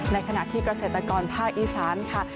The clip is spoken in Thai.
ในขณะที่เกษตรกรภาคอีสานค่ะ